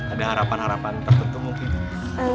ada harapan harapan tertentu mungkin